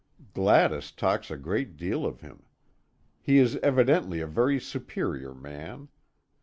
Gladys talks a great deal of him. He is evidently a very superior man.